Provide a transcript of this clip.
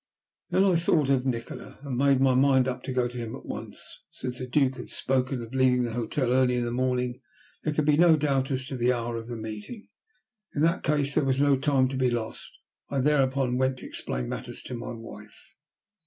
Then I thought of Nikola, and made up my mind to go to him at once. Since the Duke had spoken of leaving the hotel early in the morning, there could be no doubt as to the hour of the meeting. In that case there was no time to be lost. I thereupon went to explain matters to my wife.